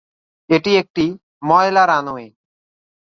এটি একটি ময়লা রানওয়ে।